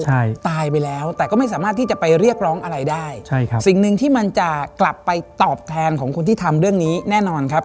ใช่ตายไปแล้วแต่ก็ไม่สามารถที่จะไปเรียกร้องอะไรได้ใช่ครับสิ่งหนึ่งที่มันจะกลับไปตอบแทนของคนที่ทำเรื่องนี้แน่นอนครับ